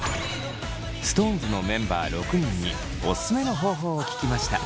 ＳｉｘＴＯＮＥＳのメンバー６人にオススメの方法を聞きました。